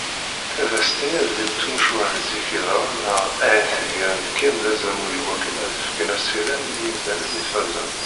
Ad s-tiniḍ deg tmucuha n zik i ddren neɣ ahat ggran-d kan d azamul iwakken ad ffken asirem i yimdanen ifazen.